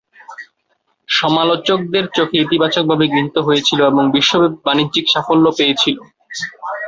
সমালোচকদের চোখে ইতিবাচকভাবে গৃহীত হয়েছিল এবং বিশ্বব্যাপী বাণিজ্যিক সাফল্যে পেয়েছিল।